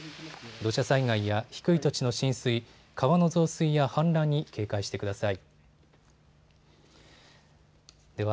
土砂災害や低い土地の浸水、川の増水や氾濫に警戒してください。